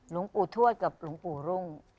หลวงปู่ทวดกับหลวงปู่รุ่ง